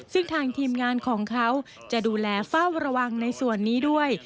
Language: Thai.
ซึ่งทางทีมงานของเขาจะดูแลเฝ้าระวังในส่วนนี้ด้วย